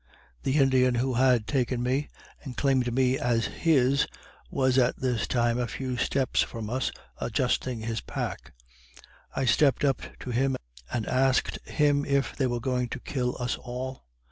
The Indian who had taken me, and claimed me as his, was at this time a few steps from us, adjusting his pack; I stepped up to him, and asked him if they were going to kill us all.